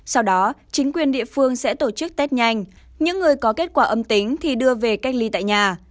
sau đó chính quyền địa phương sẽ tổ chức test nhanh những người có kết quả âm tính thì đưa về cách ly tại nhà